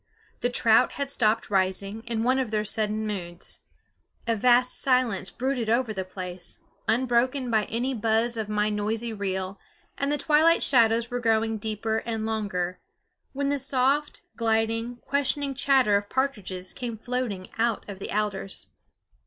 The trout had stopped rising, in one of their sudden moods. A vast silence brooded over the place, unbroken by any buzz of my noisy reel, and the twilight shadows were growing deeper and longer, when the soft, gliding, questioning chatter of partridges came floating out of the alders.